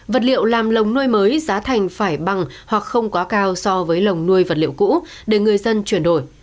vật liệu làm lồng nuôi mới giá thành phải bằng hoặc không quá cao so với lồng nuôi vật liệu cũ để người dân chuyển đổi